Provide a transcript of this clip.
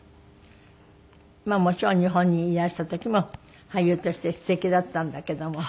まあもちろん日本にいらした時も俳優としてすてきだったんだけども。